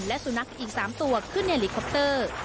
และสุนัขอีก๓ตัวขึ้นเฮลิคอปเตอร์